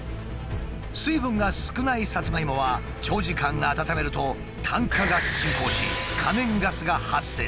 水分が少ないサツマイモは長時間温めると炭化が進行し可燃ガスが発生する。